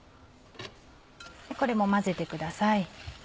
これも混ぜてください。